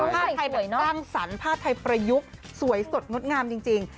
ภาพไทยแบบตั้งสรรภาพไทยประยุกต์สวยสดงดงามจริงจริง